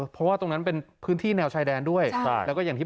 เพราะว่าตรงนั้นเป็นพื้นที่แนวชายแดนด้วยแล้วก็อย่างที่